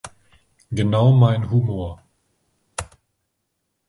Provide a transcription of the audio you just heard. Genau mein Humor!